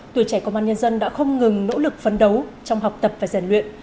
tuổi trẻ công an nhân dân đã không ngừng nỗ lực phấn đấu trong học tập và giàn luyện